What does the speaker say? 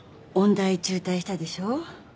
大中退したでしょ？